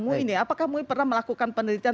mui ini apakah mui pernah melakukan penelitian